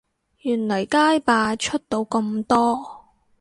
原來街霸出到咁多